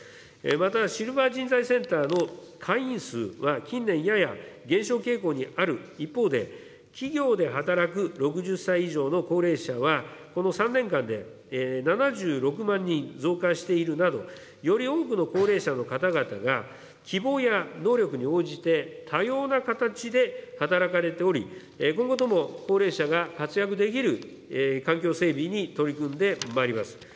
また、シルバー人材センターの会員数は近年やや減少傾向にある一方で、企業で働く６０歳以上の高齢者はこの３年間で７６万人増加している中、より多くの高齢者の方々が、希望や能力に応じて多様な形で働かれており、今後とも高齢者が活躍できる環境整備に取り組んでまいります。